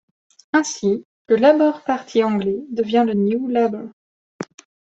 Ainsi, le Labour Party anglais devient le New Labour.